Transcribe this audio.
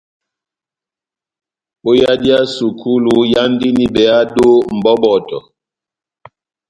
Ó yadi ya sukulu, ihándini behado mʼbɔbɔtɔ.